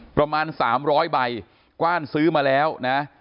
ประมาณสามร้อยใบกว้านซื้อมาแล้วนะ